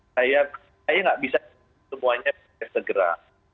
saya nggak bisa semuanya segera